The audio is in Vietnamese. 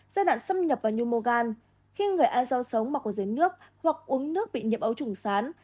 giai đoạn xâm nhập vào nhu mô gan khi người ăn rau sống mặc dưới nước hoặc uống nước bị nhiệm ấu trùng sán